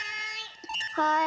はい。